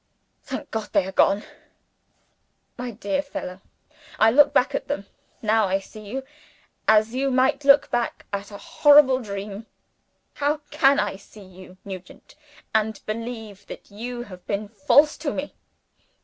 Thank God, they are gone! My dear fellow, I look back at them now I see you as I might look back at a horrible dream. How can I see you, Nugent, and believe that you have been false to me?